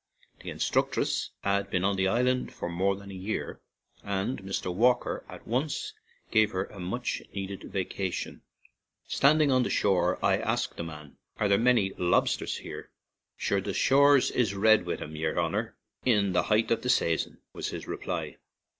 The instructress had been on the island for more than a year, and Mr. Walker at once gave her a much needed vacation. Standing on the shore, I asked a man, " Are there many lobsters here?" "Sure, the shores is red wid 'em, yer honor, in the height of the saison!" was his ready reply.